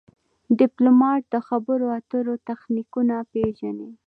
ډيپلومات د خبرو اترو تخنیکونه پېژني.